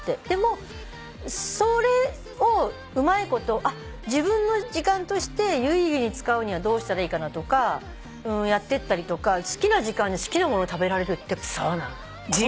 でもそれをうまいこと自分の時間として有意義に使うにはどうしたらいいかなとかやってったりとか好きな時間に好きなもの食べられるって。